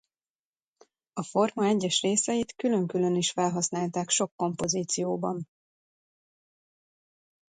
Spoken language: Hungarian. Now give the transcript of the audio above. A forma egyes részeit külön-külön is felhasználták sok kompozícióban.